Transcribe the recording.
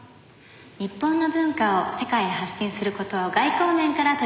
日本の文化を世界へ発信する事を外交面から取り組まれております